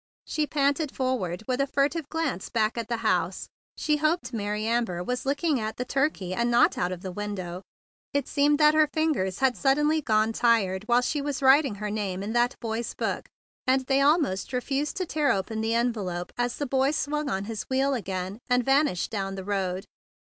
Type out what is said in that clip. She panted forward with a furtive glance back at the house. She hoped Mary Amber was looking at the turkey and not out of the window. It seemed that her fingers had sud¬ denly gone tired while she was writing her name in that boy's book, and they 2 18 the big blue soldier almost refused to tear open the en¬ velope as the boy swung on his wheel again and vanished down the road.